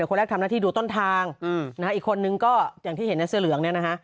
คนแรกทำงานที่ดูต้นทางอีกคนหนึ่งก็งงที่เห็อนเนื้อเสื้อเหลืองเนี่ยนะคะ